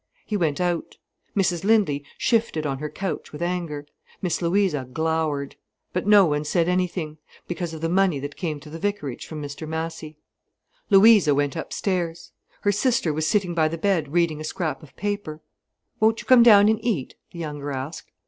He went out. Mrs Lindley shifted on her couch with anger. Miss Louisa glowered. But no one said anything, because of the money that came to the vicarage from Mr Massy. Louisa went upstairs. Her sister was sitting by the bed, reading a scrap of paper. "Won't you come down and eat?" the younger asked.